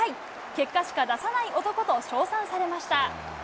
結果しか出さない男と称賛されました。